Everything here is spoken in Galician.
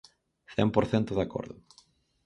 Cen por cento de acordo.